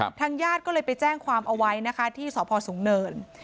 เพื่อนญาติก็เลยไปแจ้งความเอาไว้ที่สศสูงเนิน